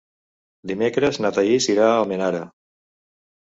Dimecres na Thaís irà a Almenara.